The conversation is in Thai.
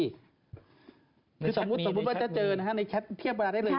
คือสมมุติว่าจะเจอในแชทเทียบเวลาได้เลยครับ